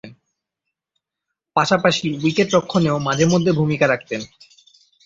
পাশাপাশি উইকেট-রক্ষণেও মাঝে-মধ্যে ভূমিকা রাখতেন।